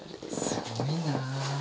すごいな。